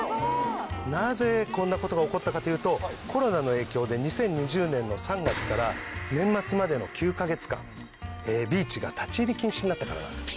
なぜこんなことが起こったかというとコロナの影響で２０２０年の３月から年末までの９か月間ビーチが立ち入り禁止になったからなんです。